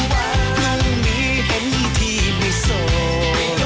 พรุ่งนี้เห็นพี่ที่ไม่โสด